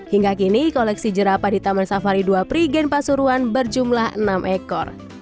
hingga kini koleksi jerapa di taman safari dua prigen pasuruan berjumlah enam ekor